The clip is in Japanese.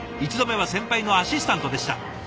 １度目は先輩のアシスタントでした。